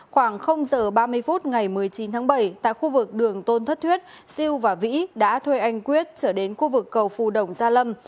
khoảng giờ ba mươi phút ngày một mươi chín tháng bảy tại khu vực đường tôn thất thuyết siêu và vĩ đã thuê anh quyết trở đến khu vực cầu phù đồng gia lâm